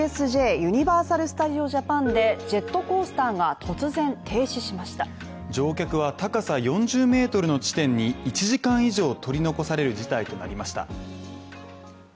ユニバーサル・スタジオ・ジャパンで、ジェットコースターが突然停止しました乗客は高さ４０ｍの地点に一時間以上取り残される事態となりました。